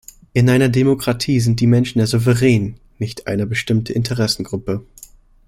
In einer Demokratie sind die Menschen der Souverän, nicht eine bestimmte Interessengruppe.